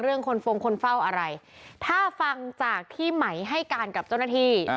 คนฟงคนเฝ้าอะไรถ้าฟังจากที่ไหมให้การกับเจ้าหน้าที่